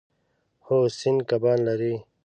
هو، سیند کبان لري